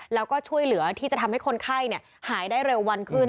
แล้วก็ช่วยเหลือที่จะทำให้คนไข้หายได้เร็ววันขึ้น